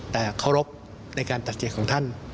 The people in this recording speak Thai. แต่เคารพในการตัดใจของท่าน